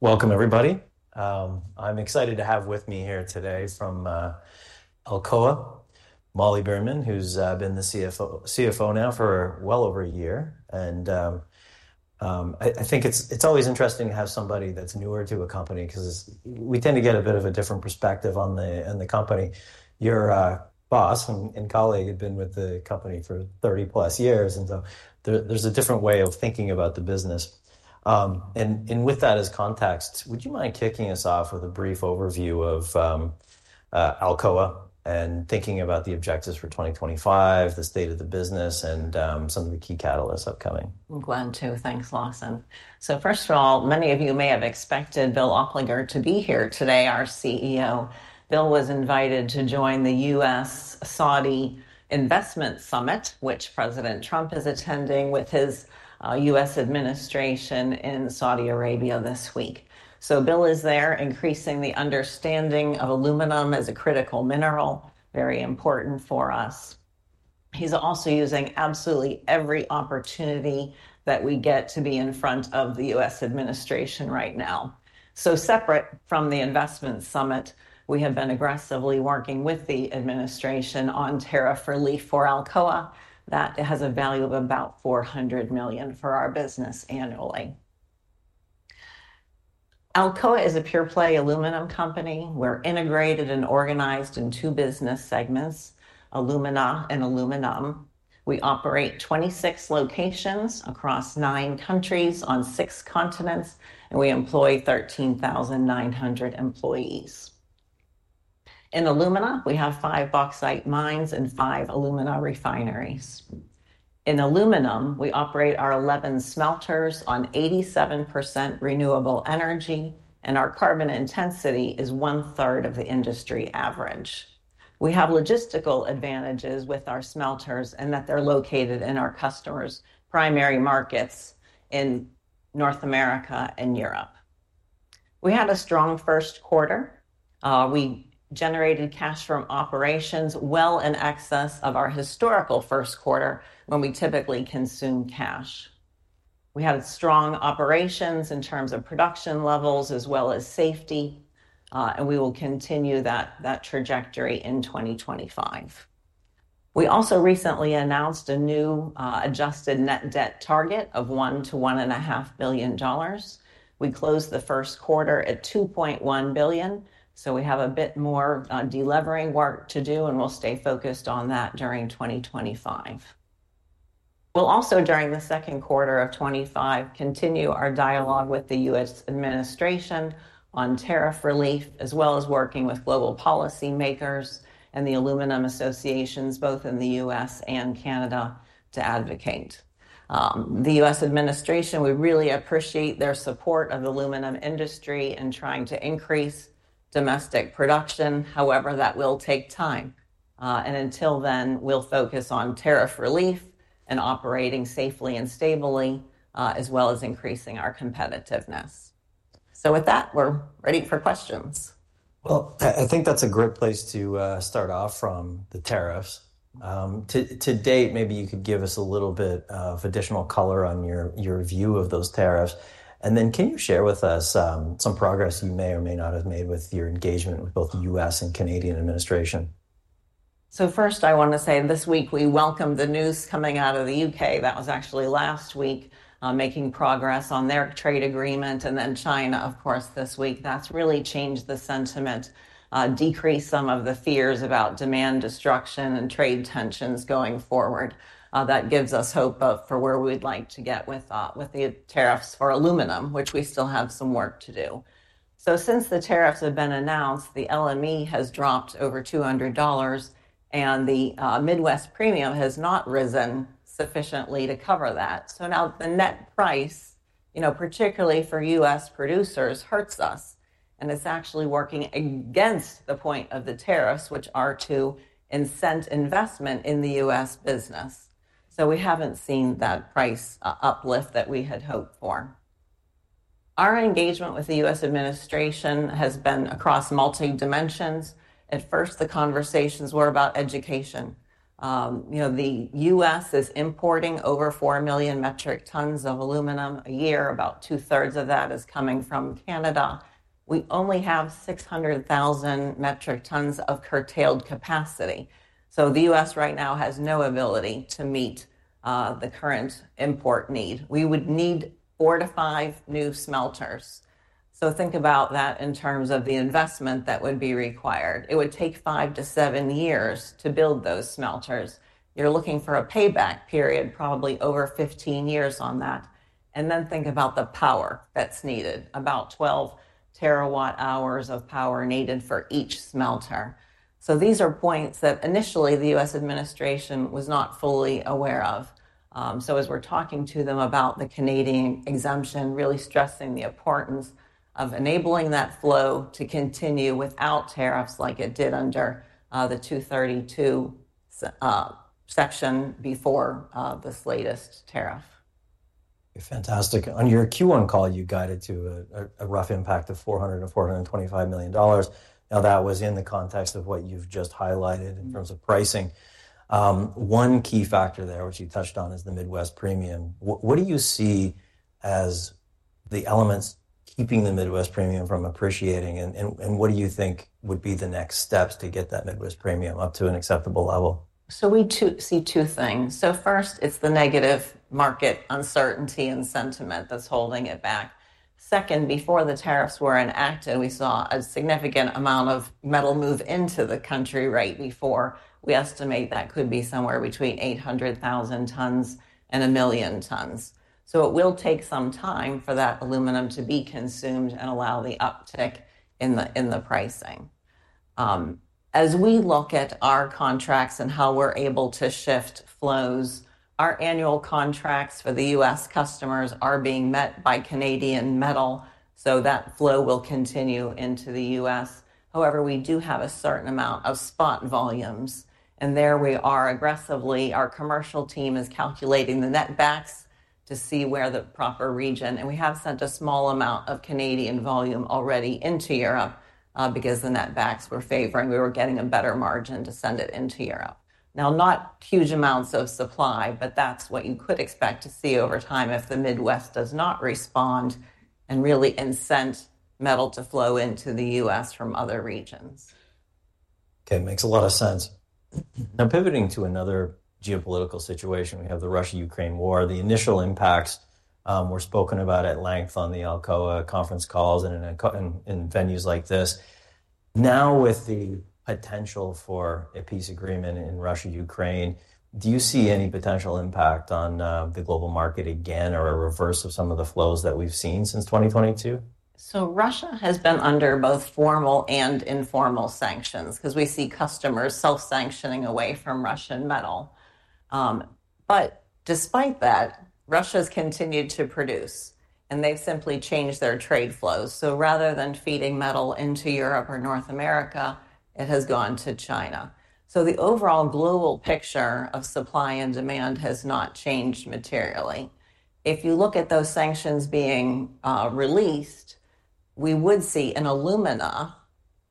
Welcome, everybody. I'm excited to have with me here today from Alcoa, Molly Beerman, who's been the CFO now for well over a year. I think it's always interesting to have somebody that's newer to a company because we tend to get a bit of a different perspective on the company. Your boss and colleague had been with the company for 30+ years, and so there's a different way of thinking about the business. With that as context, would you mind kicking us off with a brief overview of Alcoa and thinking about the objectives for 2025, the state of the business, and some of the key catalysts upcoming? I'm glad to. Thanks, Lawson. First of all, many of you may have expected Bill Oplinger to be here today, our CEO. Bill was invited to join the U.S.-Saudi Investment Summit, which President Trump is attending with his U.S. administration in Saudi Arabia this week. Bill is there increasing the understanding of aluminum as a critical mineral, very important for us. He's also using absolutely every opportunity that we get to be in front of the U.S. administration right now. Separate from the investment summit, we have been aggressively working with the administration on tariff relief for Alcoa that has a value of about $400 million for our business annually. Alcoa is a pure-play aluminum company. We're integrated and organized in two business segments, Alumina and Aluminum. We operate 26 locations across nine countries on six continents, and we employ 13,900 employees. In Alumina, we have five bauxite mines and five alumina refineries. In Aluminum, we operate our 11 smelters on 87% renewable energy, and our carbon intensity is 1/3 of the industry average. We have logistical advantages with our smelters in that they're located in our customers' primary markets in North America and Europe. We had a strong first quarter. We generated cash from operations well in excess of our historical first quarter when we typically consume cash. We had strong operations in terms of production levels as well as safety, and we will continue that trajectory in 2025. We also recently announced a new, adjusted net debt target of $1 billion-$1.5 billion. We closed the first quarter at $2.1 billion, so we have a bit more delivering work to do, and we'll stay focused on that during 2025. We'll also, during the second quarter of 2025, continue our dialogue with the U.S. administration on tariff relief, as well as working with global policymakers and the Aluminum Associations, both in the U.S. and Canada, to advocate. The U.S. administration, we really appreciate their support of the aluminum industry and trying to increase domestic production. However, that will take time. Until then, we'll focus on tariff relief and operating safely and stably, as well as increasing our competitiveness. With that, we're ready for questions. I think that's a great place to start off from the tariffs. To date, maybe you could give us a little bit of additional color on your view of those tariffs. And then can you share with us some progress you may or may not have made with your engagement with both the U.S. and Canadian administration? First, I want to say this week we welcomed the news coming out of the U.K. That was actually last week, making progress on their trade agreement. Then China, of course, this week, that's really changed the sentiment, decreased some of the fears about demand destruction and trade tensions going forward. That gives us hope for where we'd like to get with the tariffs for aluminum, which we still have some work to do. Since the tariffs have been announced, the LME has dropped over $200, and the Midwest premium has not risen sufficiently to cover that. Now the net price, you know, particularly for U.S. producers, hurts us, and it's actually working against the point of the tariffs, which are to incent investment in the U.S. business. We haven't seen that price uplift that we had hoped for. Our engagement with the U.S. administration has been across multi-dimensions. At first, the conversations were about education. You know, the U.S. is importing over 4 million metric tons of aluminum a year. About two-thirds of that is coming from Canada. We only have 600,000 metric tons of curtailed capacity. The U.S. right now has no ability to meet the current import need. We would need four to five new smelters. Think about that in terms of the investment that would be required. It would take five to seven years to build those smelters. You're looking for a payback period, probably over 15 years on that. Think about the power that's needed, about 12 TWh of power needed for each smelter. These are points that initially the U.S. administration was not fully aware of. So as we're talking to them about the Canadian exemption, really stressing the importance of enabling that flow to continue without tariffs like it did under the Section 232 before this latest tariff. Fantastic. On your Q1 call, you guided to a rough impact of $400 million-$425 million. Now, that was in the context of what you have just highlighted in terms of pricing. One key factor there, which you touched on, is the Midwest premium. What do you see as the elements keeping the Midwest premium from appreciating? What do you think would be the next steps to get that Midwest premium up to an acceptable level? We see two things. First, it's the negative market uncertainty and sentiment that's holding it back. Second, before the tariffs were enacted, we saw a significant amount of metal move into the country right before. We estimate that could be somewhere between 800,000 tons and 1 million tons. It will take some time for that aluminum to be consumed and allow the uptick in the pricing. As we look at our contracts and how we're able to shift flows, our annual contracts for the U.S. customers are being met by Canadian metal, so that flow will continue into the U.S. However, we do have a certain amount of spot volumes, and there we are aggressively. Our commercial team is calculating the netbacks to see where the proper region, and we have sent a small amount of Canadian volume already into Europe, because the netbacks were favoring. We were getting a better margin to send it into Europe. Now, not huge amounts of supply, but that's what you could expect to see over time if the Midwest does not respond and really incent metal to flow into the U.S. from other regions. Okay. Makes a lot of sense. Now, pivoting to another geopolitical situation, we have the Russia-Ukraine war. The initial impacts were spoken about at length on the Alcoa conference calls and in venues like this. Now, with the potential for a peace agreement in Russia-Ukraine, do you see any potential impact on the global market again or a reverse of some of the flows that we've seen since 2022? Russia has been under both formal and informal sanctions because we see customers self-sanctioning away from Russian metal. Despite that, Russia's continued to produce, and they've simply changed their trade flows. Rather than feeding metal into Europe or North America, it has gone to China. The overall global picture of supply and demand has not changed materially. If you look at those sanctions being released, we would see in alumina,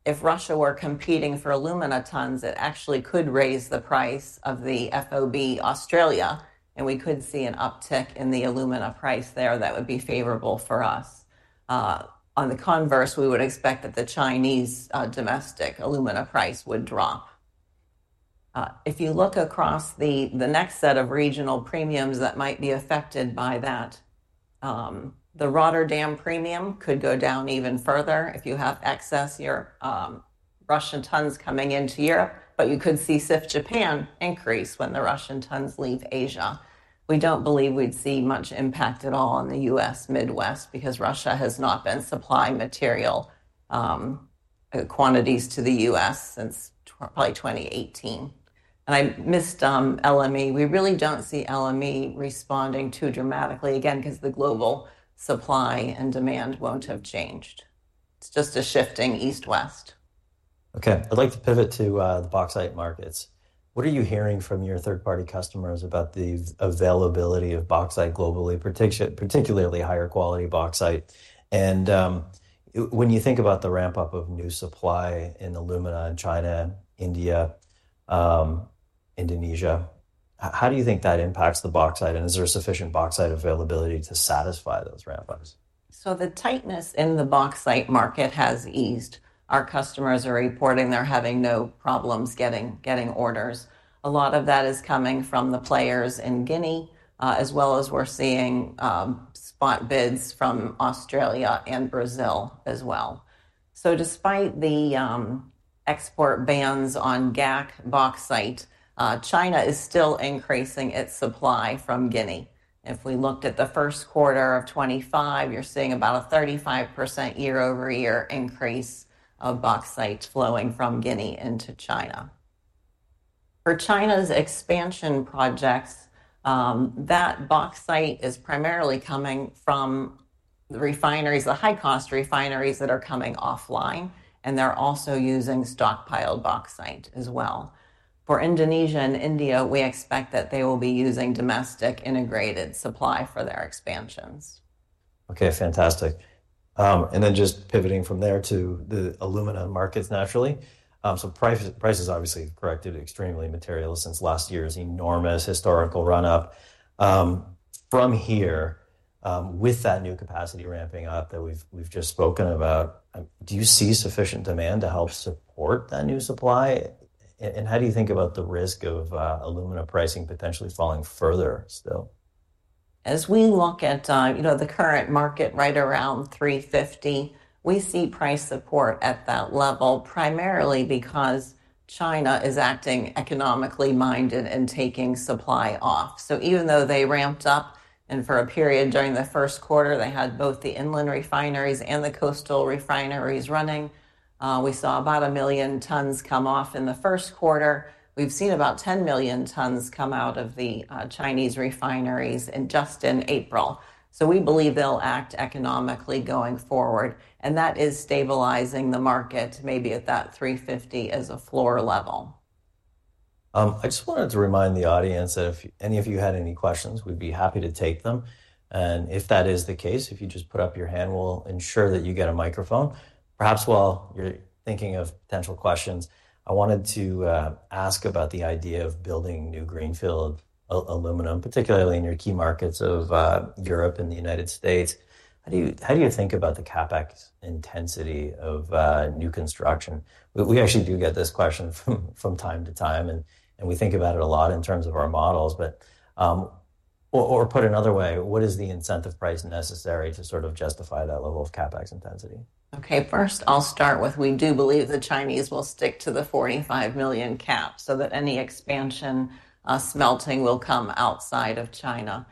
if Russia were competing for alumina tons, it actually could raise the price of the FOB Australia, and we could see an uptick in the alumina price there that would be favorable for us. On the converse, we would expect that the Chinese domestic alumina price would drop. If you look across the next set of regional premiums that might be affected by that, the Rotterdam premium could go down even further if you have excess Russian tons coming into Europe, but you could see CIF Japan increase when the Russian tons leave Asia. We do not believe we would see much impact at all on the U.S. Midwest because Russia has not been supplying material quantities to the U.S. since probably 2018. I missed LME. We really do not see LME responding too dramatically, again, because the global supply and demand will not have changed. It is just a shifting east-west. Okay. I'd like to pivot to the bauxite markets. What are you hearing from your third-party customers about the availability of bauxite globally, particularly higher quality bauxite? When you think about the ramp-up of new supply in alumina in China, India, Indonesia, how do you think that impacts the bauxite, and is there sufficient bauxite availability to satisfy those ramp-ups? The tightness in the bauxite market has eased. Our customers are reporting they're having no problems getting orders. A lot of that is coming from the players in Guinea, as well as we're seeing spot bids from Australia and Brazil as well. Despite the export bans on bauxite, China is still increasing its supply from Guinea. If we looked at the first quarter of 2025, you're seeing about a 35% year-over-year increase of bauxite flowing from Guinea into China. For China's expansion projects, that bauxite is primarily coming from the refineries, the high-cost refineries that are coming offline, and they're also using stockpiled bauxite as well. For Indonesia and India, we expect that they will be using domestic integrated supply for their expansions. Okay. Fantastic. And then just pivoting from there to the alumina markets naturally. So price, price has obviously corrected extremely materially since last year's enormous historical run-up. From here, with that new capacity ramping up that we've, we've just spoken about, do you see sufficient demand to help support that new supply? And how do you think about the risk of alumina pricing potentially falling further still? As we look at, you know, the current market right around $350, we see price support at that level primarily because China is acting economically minded and taking supply off. Even though they ramped up, and for a period during the first quarter, they had both the inland refineries and the coastal refineries running, we saw about 1 million tons come off in the first quarter. We've seen about 10 million tons come out of the Chinese refineries just in April. We believe they'll act economically going forward, and that is stabilizing the market maybe at that $350 as a floor level. I just wanted to remind the audience that if any of you had any questions, we'd be happy to take them. If that is the case, if you just put up your hand, we'll ensure that you get a microphone. Perhaps while you're thinking of potential questions, I wanted to ask about the idea of building new greenfield aluminum, particularly in your key markets of Europe and the United States. How do you, how do you think about the CapEx intensity of new construction? We actually do get this question from time to time, and we think about it a lot in terms of our models, but, or put another way, what is the incentive price necessary to sort of justify that level of CapEx intensity? Okay. First, I'll start with, we do believe the Chinese will stick to the 45 million cap so that any expansion, smelting will come outside of China.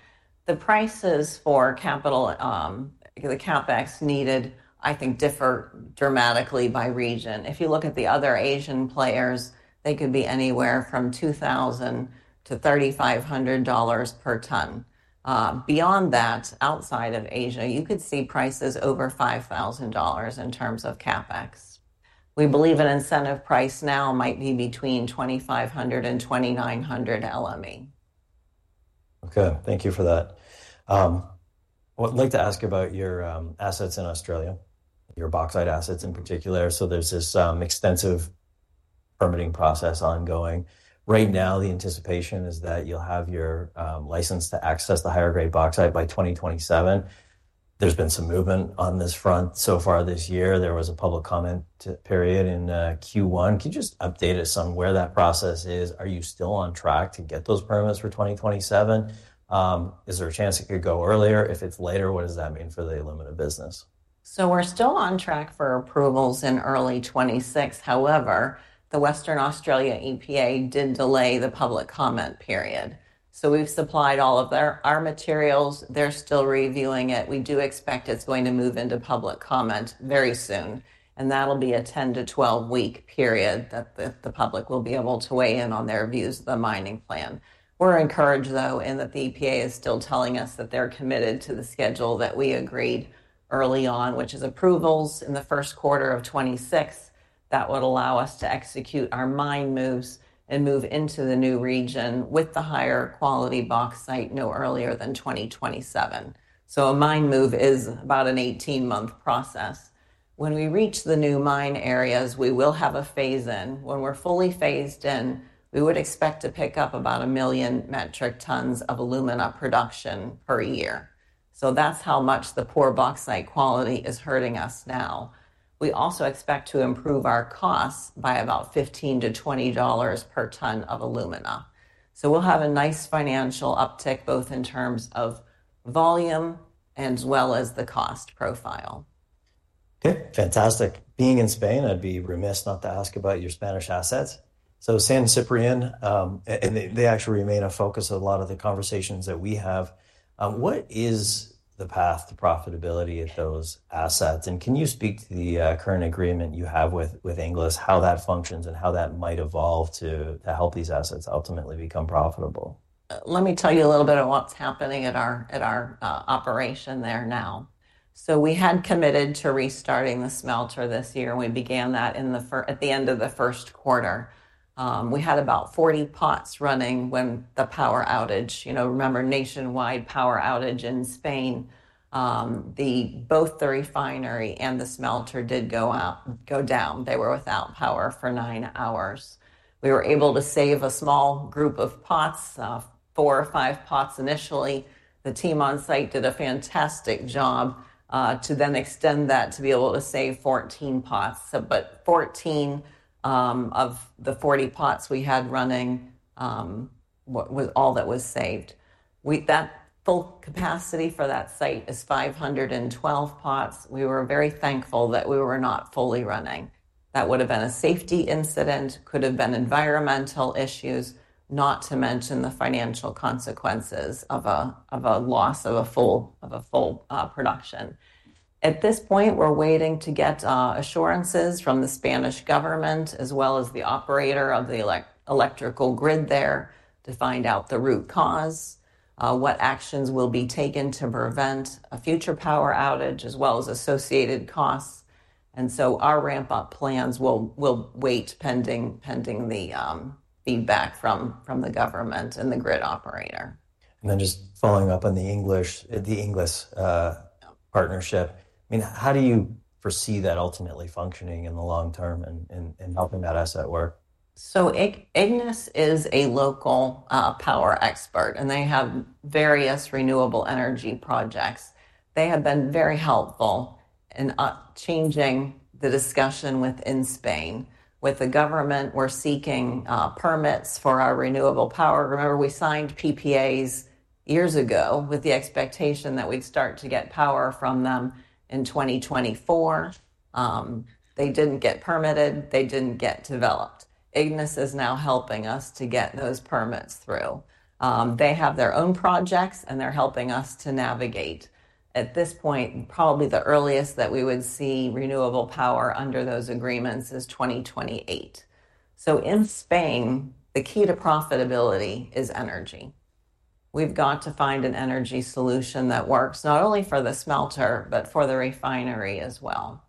The prices for capital, the CapEx needed, I think, differ dramatically by region. If you look at the other Asian players, they could be anywhere from $2,000-$3,500 per ton. Beyond that, outside of Asia, you could see prices over $5,000 in terms of CapEx. We believe an incentive price now might be between $2,500 and $2,900 LME. Okay. Thank you for that. I'd like to ask about your assets in Australia, your bauxite assets in particular. So there's this extensive permitting process ongoing. Right now, the anticipation is that you'll have your license to access the higher grade bauxite by 2027. There's been some movement on this front so far this year. There was a public comment period in Q1. Can you just update us on where that process is? Are you still on track to get those permits for 2027? Is there a chance it could go earlier? If it's later, what does that mean for the alumina business? We're still on track for approvals in early 2026. However, the Western Australia EPA did delay the public comment period. We've supplied all of our materials. They're still reviewing it. We do expect it's going to move into public comment very soon, and that'll be a 10-12 week period that the public will be able to weigh in on their views of the mining plan. We're encouraged, though, in that the EPA is still telling us that they're committed to the schedule that we agreed early on, which is approvals in the first quarter of 2026. That would allow us to execute our mine moves and move into the new region with the higher quality bauxite no earlier than 2027. A mine move is about an 18-month process. When we reach the new mine areas, we will have a phase-in. When we're fully phased in, we would expect to pick up about 1 million metric tons of alumina production per year. That is how much the poor bauxite quality is hurting us now. We also expect to improve our costs by about $15-$20 per ton of alumina. We will have a nice financial uptick both in terms of volume as well as the cost profile. Okay. Fantastic. Being in Spain, I'd be remiss not to ask about your Spanish assets. So San Ciprián, and they actually remain a focus of a lot of the conversations that we have. What is the path to profitability of those assets? And can you speak to the current agreement you have with IGNIS, how that functions and how that might evolve to help these assets ultimately become profitable? Let me tell you a little bit of what's happening at our operation there now. We had committed to restarting the smelter this year, and we began that at the end of the first quarter. We had about 40 pots running when the power outage, you know, remember nationwide power outage in Spain, both the refinery and the smelter did go down. They were without power for nine hours. We were able to save a small group of pots, four or five pots initially. The team on site did a fantastic job to then extend that to be able to save 14 pots. 14 of the 40 pots we had running was all that was saved. The full capacity for that site is 512 pots. We were very thankful that we were not fully running. That would have been a safety incident, could have been environmental issues, not to mention the financial consequences of a loss of a full production. At this point, we're waiting to get assurances from the Spanish government as well as the operator of the electrical grid there to find out the root cause, what actions will be taken to prevent a future power outage as well as associated costs. Our ramp-up plans will wait pending the feedback from the government and the grid operator. Just following up on the IGNIS partnership, I mean, how do you foresee that ultimately functioning in the long term and helping that asset work? IGNIS is a local power expert, and they have various renewable energy projects. They have been very helpful in changing the discussion within Spain. With the government, we're seeking permits for our renewable power. Remember, we signed PPAs years ago with the expectation that we'd start to get power from them in 2024. They didn't get permitted. They didn't get developed. Ignis is now helping us to get those permits through. They have their own projects, and they're helping us to navigate. At this point, probably the earliest that we would see renewable power under those agreements is 2028. In Spain, the key to profitability is energy. We've got to find an energy solution that works not only for the smelter, but for the refinery as well.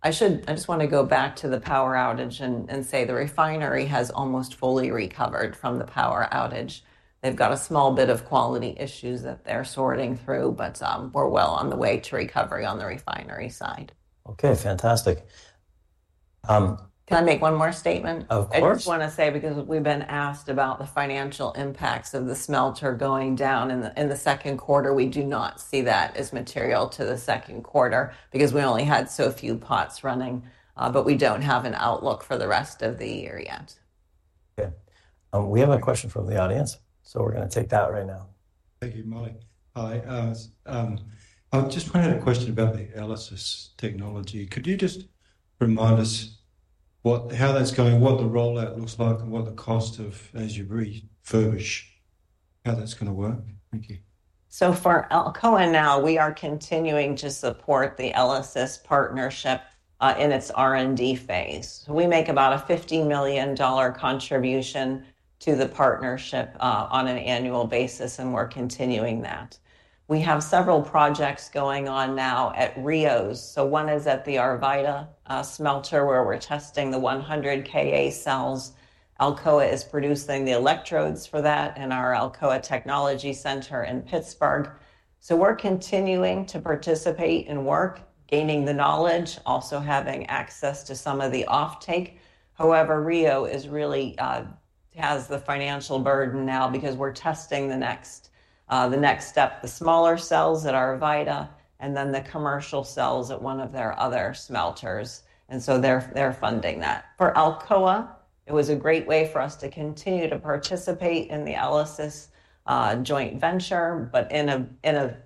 I should, I just want to go back to the power outage and say the refinery has almost fully recovered from the power outage. They've got a small bit of quality issues that they're sorting through, but we're well on the way to recovery on the refinery side. Okay. Fantastic. Can I make one more statement? Of course. I just want to say because we've been asked about the financial impacts of the smelter going down in the, in the second quarter, we do not see that as material to the second quarter because we only had so few pots running, but we don't have an outlook for the rest of the year yet. Okay. We have a question from the audience, so we're going to take that right now. Thank you, Molly. Hi, I just wanted a question about the ELYSIS technology. Could you just remind us what, how that's going, what the rollout looks like, and what the cost of, as you refurbish, how that's going to work? Thank you. For Alcoa now, we are continuing to support the ELYSIS partnership, in its R&D phase. We make about a $15 million contribution to the partnership on an annual basis, and we're continuing that. We have several projects going on now at Rio's. One is at the Arvida smelter where we're testing the 100 KA cells. Alcoa is producing the electrodes for that in our Alcoa Technology Center in Pittsburgh. We're continuing to participate in work, gaining the knowledge, also having access to some of the offtake. However, Rio is really, has the financial burden now because we're testing the next, the next step, the smaller cells at Arvida, and then the commercial cells at one of their other smelters. They're funding that. For Alcoa, it was a great way for us to continue to participate in the ELYSIS joint venture, but in a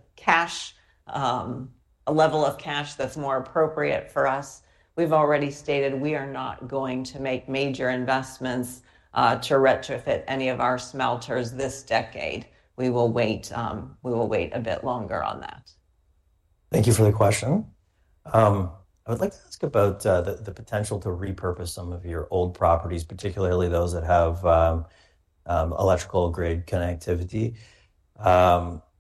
level of cash that's more appropriate for us. We've already stated we are not going to make major investments to retrofit any of our smelters this decade. We will wait, we will wait a bit longer on that. Thank you for the question. I would like to ask about the potential to repurpose some of your old properties, particularly those that have electrical grade connectivity.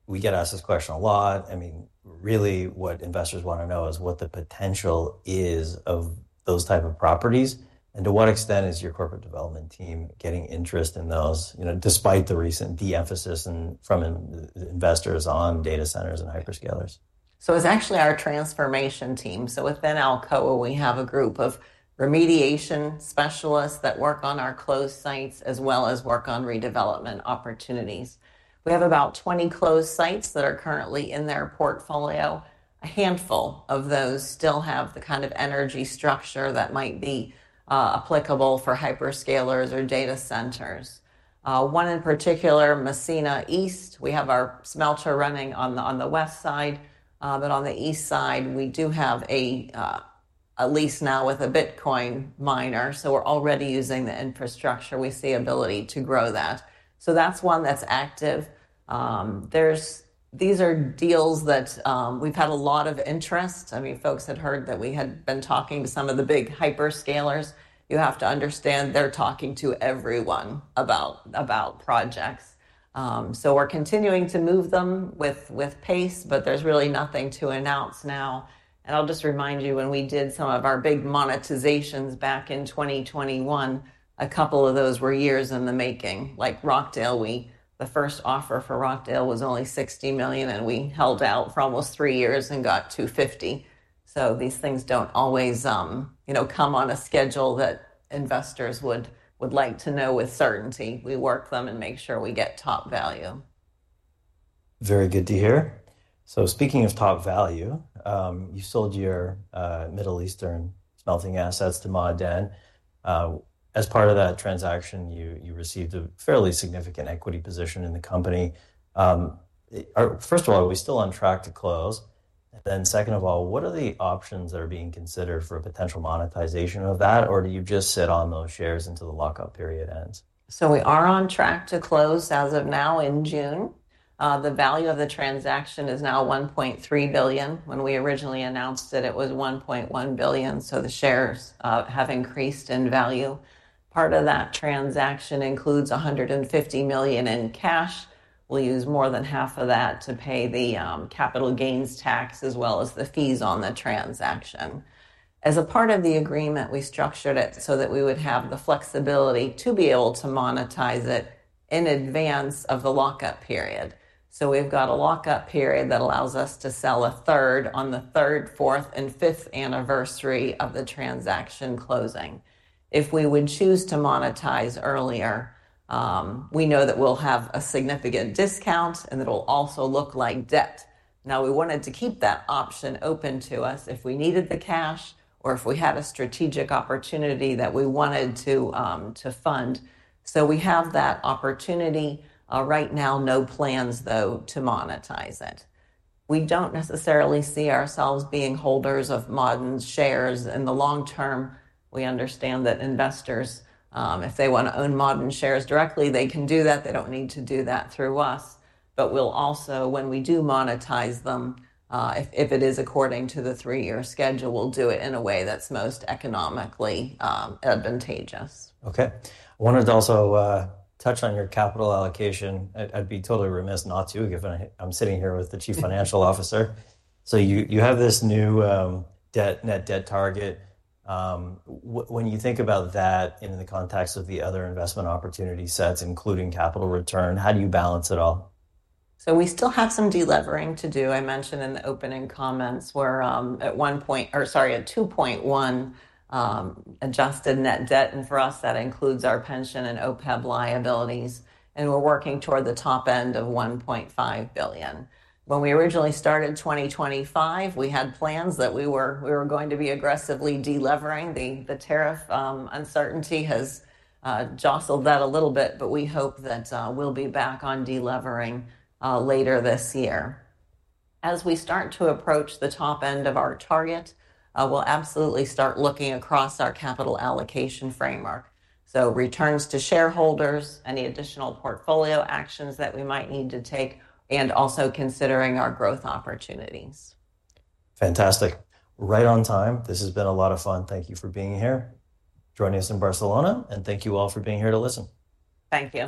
We get asked this question a lot. I mean, really what investors want to know is what the potential is of those type of properties and to what extent is your corporate development team getting interest in those, you know, despite the recent de-emphasis from investors on data centers and hyperscalers? It's actually our transformation team. Within Alcoa, we have a group of remediation specialists that work on our closed sites as well as work on redevelopment opportunities. We have about 20 closed sites that are currently in their portfolio. A handful of those still have the kind of energy structure that might be applicable for hyperscalers or data centers. One in particular, Massena East, we have our smelter running on the west side, but on the east side, we do have, at least now, a Bitcoin miner. We're already using the infrastructure. We see ability to grow that. That's one that's active. These are deals that we've had a lot of interest in. I mean, folks had heard that we had been talking to some of the big hyperscalers. You have to understand they're talking to everyone about projects. We're continuing to move them with pace, but there's really nothing to announce now. I'll just remind you when we did some of our big monetizations back in 2021, a couple of those were years in the making, like Rockdale. The first offer for Rockdale was only $60 million, and we held out for almost three years and got $250 million. These things do not always come on a schedule that investors would like to know with certainty. We work them and make sure we get top value. Very good to hear. Speaking of top value, you sold your Middle Eastern smelting assets to Ma'aden. As part of that transaction, you received a fairly significant equity position in the company. First of all, are we still on track to close? Second of all, what are the options that are being considered for a potential monetization of that, or do you just sit on those shares until the lockup period ends? We are on track to close as of now in June. The value of the transaction is now $1.3 billion. When we originally announced it, it was $1.1 billion. The shares have increased in value. Part of that transaction includes $150 million in cash. We'll use more than half of that to pay the capital gains tax as well as the fees on the transaction. As a part of the agreement, we structured it so that we would have the flexibility to be able to monetize it in advance of the lockup period. We've got a lockup period that allows us to sell a third on the third, fourth, and fifth anniversary of the transaction closing. If we would choose to monetize earlier, we know that we'll have a significant discount and it'll also look like debt. Now, we wanted to keep that option open to us if we needed the cash or if we had a strategic opportunity that we wanted to fund. So we have that opportunity. Right now, no plans though to monetize it. We do not necessarily see ourselves being holders of Ma'aden's shares in the long term. We understand that investors, if they want to own Ma'aden's shares directly, they can do that. They do not need to do that through us. Also, when we do monetize them, if it is according to the three-year schedule, we will do it in a way that is most economically advantageous. Okay. I wanted to also touch on your capital allocation. I'd be totally remiss not to given I'm sitting here with the Chief Financial Officer. You have this new net debt target. When you think about that in the context of the other investment opportunity sets, including capital return, how do you balance it all? We still have some delevering to do. I mentioned in the opening comments where, at one point, or sorry, at $2.1 billion, adjusted net debt. For us, that includes our pension and OPEB liabilities. We are working toward the top end of $1.5 billion. When we originally started 2025, we had plans that we were going to be aggressively delevering. The tariff uncertainty has jostled that a little bit, but we hope that we will be back on delevering later this year. As we start to approach the top end of our target, we will absolutely start looking across our capital allocation framework. Returns to shareholders, any additional portfolio actions that we might need to take, and also considering our growth opportunities. Fantastic. Right on time. This has been a lot of fun. Thank you for being here, joining us in Barcelona, and thank you all for being here to listen. Thank you.